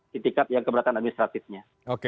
ketika yang keberatan administratifnya